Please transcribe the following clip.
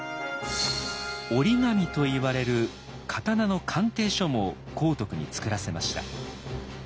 「折紙」といわれる刀の鑑定書も光徳に作らせました。